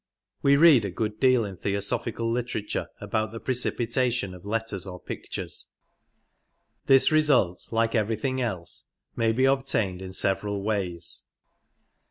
We read a good deal in Theosophical literature about the precipitation of letters or pictures. This result, ^^tSn^^^ like everything else, may be obtained in several ways.